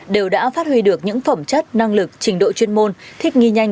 đều đã phát huy được những phẩm chất năng lực trình độ chuyên môn thích nghi nhanh